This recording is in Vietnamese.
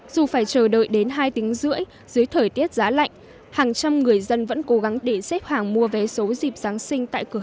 dù phải chờ đợi đến hai tính rưỡi dưới thời tiết giá lạnh hàng trăm người dân vẫn cố gắng để xếp hàng mua vé số dịp giáng sinh tại cửa